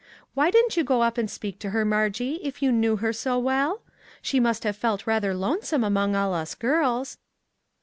Why didn't you go up and speak to her, Margie, if you knew her so well? She must have felt rather lonesome among all us girls."